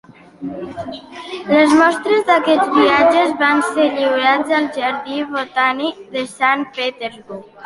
Les mostres d'aquests viatges van ser lliurats al Jardí Botànic de Sant Petersburg.